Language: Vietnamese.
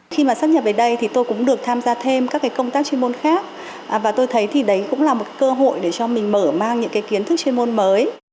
khi mà sắp nhập về đây thì tôi cũng được tham gia thêm các công tác chuyên môn khác và tôi thấy thì đấy cũng là một cơ hội để cho mình mở mang những cái kiến thức chuyên môn mới